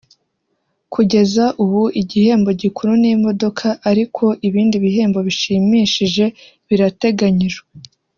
Kugeza ubu igihembo gikuru ni imodoka ariko n’ibindi bihembo bishimishije birateganyijwe